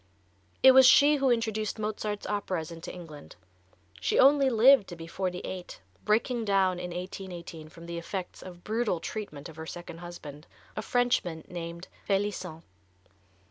It was she who introduced Mozart's operas into England. She only lived to be forty eight, breaking down in 1818, from the effects of brutal treatment of her second husband, a Frenchman, named Felissent.